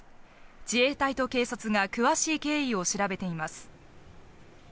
自衛隊と警察が詳しい経緯を調べています。